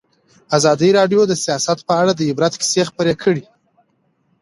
ازادي راډیو د سیاست په اړه د عبرت کیسې خبر کړي.